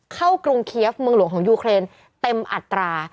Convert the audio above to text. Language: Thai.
กรุงเคียฟเมืองหลวงของยูเครนเต็มอัตรา